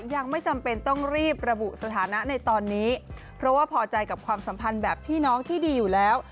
ยังไม่จำเป็นต้องรีบระบุสถานะในตอนนี้เพราะว่าพอใจกับความสัมพันธ์แบบพี่น้องที่ดีอยู่แล้ว